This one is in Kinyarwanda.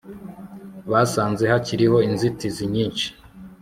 basanze hakiriho inzitizi nyinshi